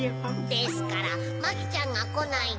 ですからマキちゃんがこないと。